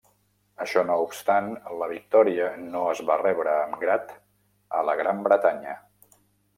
Això no obstant, la victòria no es va rebre amb grat a la Gran Bretanya.